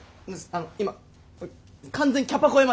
あの今完全にキャパ超えました。